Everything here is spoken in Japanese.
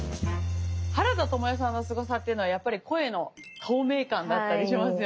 原田知世さんのすごさっていうのはやっぱり声の透明感だったりしますよね。